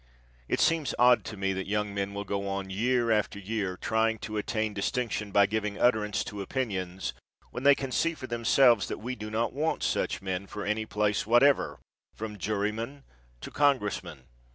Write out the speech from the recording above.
It seems odd to me that young men will go on year after year trying to attain distinction by giving utterance to opinions when they can see for themselves that we do not want such men for any place whatever, from juryman to congressman.